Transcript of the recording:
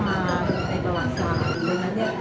ให้คนไทยนะคะทั้งหมด